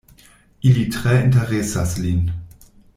Ili tre interesas lin.